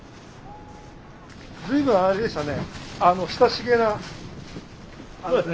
随分あれでしたね。